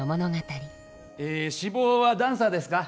え志望はダンサーですか？